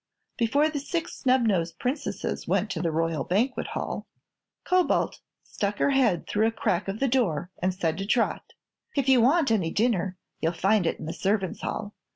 Before the Six Snubnosed Princesses went to the Royal Banquet Hall, Cobalt stuck her head through a crack of the door and said to Trot: "If you want any dinner, you'll find it in the servants' hall.